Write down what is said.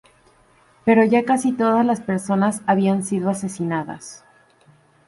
Pero ya casi todas las personas habían sido asesinadas.